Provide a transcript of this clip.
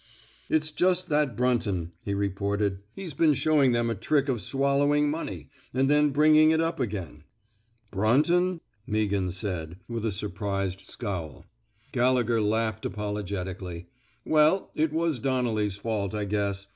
It's just that Brunton," he reported. He's been showing them a trick of swal lowing money — and then bringing it up again." B run ton ?" Meaghan said, with a sur prised scowl. Gallegher laughed apologetically. Well, it was Donnelly's fault, I guess.